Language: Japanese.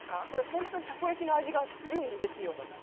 本当にたこ焼きの味がするんですよ。